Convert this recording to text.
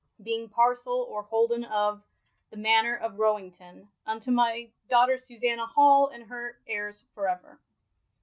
being parcell or holden of the mannour of Bowington, unto my daughter Susanna Hall and her heires for ever.